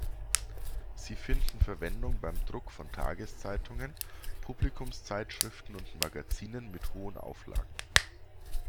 Sie finden Verwendung beim Druck von Tageszeitungen, Publikumszeitschriften und Magazinen mit hohen Auflagen.